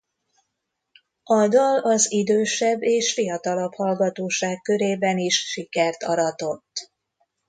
A dal az idősebb és fiatalabb hallgatóság körében is sikert aratott.